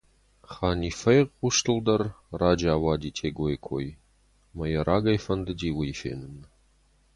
Ханиффӕйы хъустыл дӕр раджы ауади Тегайы кой ӕмӕ йӕ рагӕй фӕндыди уый фенын.